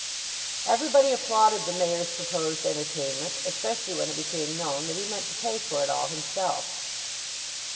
Everybody applauded the Mayor's proposed entertainment, especially when it became known that he meant to pay for it all himself.